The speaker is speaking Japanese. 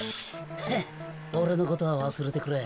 「ヘッおれのことはわすれてくれ」。